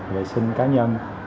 vệ sinh cá nhân